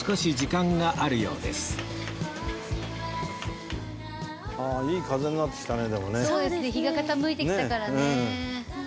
日が傾いてきたからね。